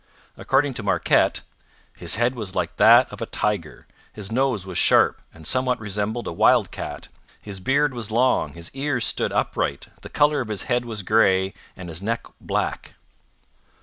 According to Marquette: 'His head was like that of a tiger, his nose was sharp, and somewhat resembled a wildcat; his beard was long, his ears stood upright, the colour of his head was grey, and his neck black.'